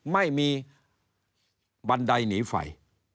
ไม่มีบันไดหนีไฟ